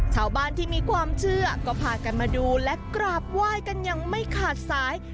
ชาวบ้านที่มีความเชื่อก็พากันมาดูและกราบไหว้กันยังไม่ขาดสาย